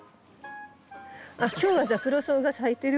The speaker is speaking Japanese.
あっ今日はザクロソウが咲いてるわ。